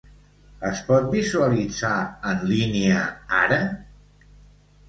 Es pot visualitzar en línia ara?